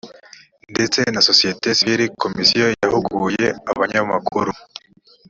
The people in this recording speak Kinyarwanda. ndetse na sosiyete sivili komisiyo yahuguye abanyamakuru